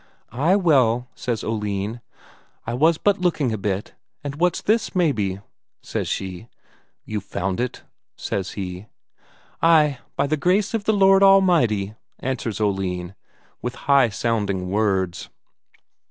"Ay, well," says Oline, "I was but looking a bit. And what's this, maybe?" says she. "You've found it?" says he. "Ay, by the grace of the Lord Almighty," answers Oline, with high sounding words.